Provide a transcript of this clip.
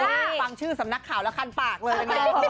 จะวางชื่อสำนักข่าวและคันปากเลยนะ